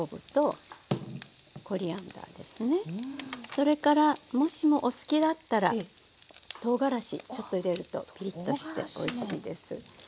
それからもしもお好きだったらとうがらしちょっと入れるとピリッとしておいしいです。